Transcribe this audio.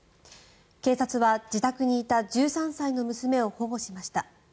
警察は自宅にいた１３歳の娘を保護しました。